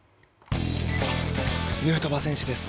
ヌートバー選手です。